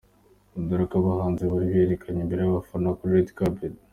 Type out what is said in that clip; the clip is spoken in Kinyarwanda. Dore uko abahanzi bari bwiyerekane imbere y’abafana kuri Red Carpet.